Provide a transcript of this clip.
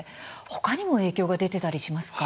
ほかにも影響が出ていたりしますか？